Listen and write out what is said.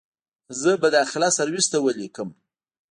زه به داخله سرويس ته وليکم.